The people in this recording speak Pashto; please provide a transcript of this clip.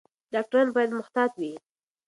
ډاکټران باید محتاط وي.